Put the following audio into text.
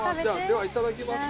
ではいただきます。